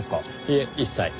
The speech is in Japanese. いえ一切。